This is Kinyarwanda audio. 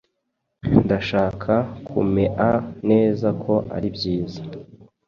Ndashaka kumea neza ko ari byiza.